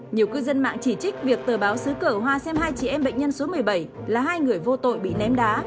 nhiều cư dân mạng chỉ trích việc tờ báo xứ cử hoa xem hai chị em bệnh nhân số một mươi bảy là hai người vô tội bị ném đá